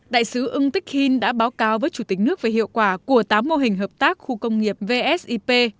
đại sứ ưng tích hin đã báo cáo với chủ tịch nước về hiệu quả của tám mô hình hợp tác khu công nghiệp vsep